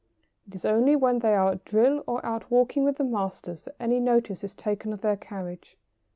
It is only when they are at drill or out walking with the masters that any notice is taken of their carriage.